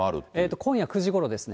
今夜９時ごろですね。